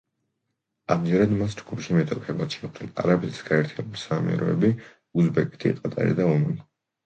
ამჯერად მას ჯგუფში მეტოქეებად შეხვდნენ არაბეთის გაერთიანებული საამიროები, უზბეკეთი, ყატარი და ომანი.